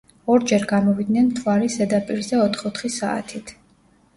ორჯერ გამოვიდნენ მთვარის ზედაპირზე ოთხ-ოთხი საათით.